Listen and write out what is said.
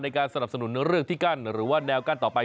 สนับสนุนเรื่องที่กั้นหรือว่าแนวกั้นต่อไป